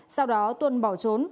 sau đó tuân bỏ trốn